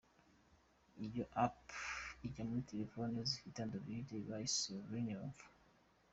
Iyi “app” ijya muri telefone zifite “Android” bayise LineInfo.